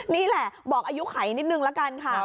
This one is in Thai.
นี่แหละบอกอายุไขนิดนึงละกันค่ะ